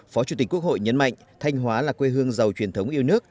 phó chủ tịch quốc hội nhấn mạnh thanh hóa là quê hương giàu truyền thống yêu nước